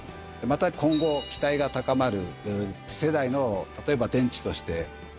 また今後期待が高まる次世代の例えば電池として全固体電池